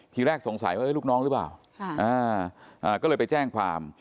ทีแรกสงสัยว่าลูกน้องหรือเปล่าก็เลยไปแจ้งความ